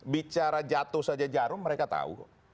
bicara jatuh saja jarum mereka tahu